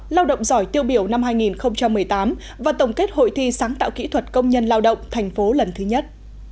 lao động giỏi tiêu biểu năm hai nghìn một mươi tám và tổng kết hội thi sáng tạo kỹ thuật công nhân lao động thành phố lần thứ nhất